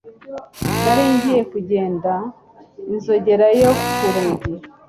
Nari ngiye kugenda inzogera yo ku rugi